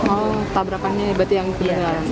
oh tabrakannya berarti yang tinggal